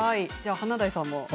華大さんも？